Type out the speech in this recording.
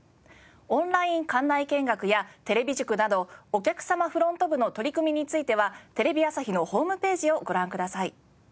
オンライン館内見学や「テレビ塾」などお客様フロント部の取り組みについてはテレビ朝日のホームページをご覧ください。